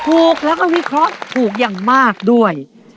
ถูกแล้วก็วิเคราะห์ถูกอย่างมากด้วย